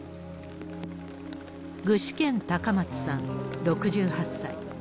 具志堅隆松さん６８歳。